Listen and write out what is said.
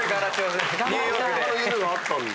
夢があったんだ。